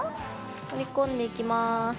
折り込んでいきます。